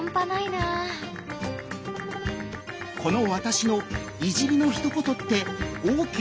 この「わたし」のいじりのひと言ってＯＫ？